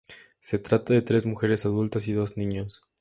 Se trata de tres mujeres adultas y dos niños.